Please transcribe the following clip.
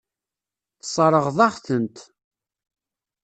Tessṛeɣ-aɣ-tent.